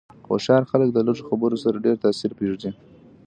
هوښیار خلک د لږو خبرو سره ډېر تاثیر پرېږدي.